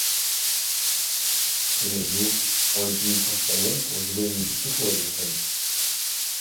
De nos jours, on l'utilise principalement pour jouer une musique folklorique sur scène.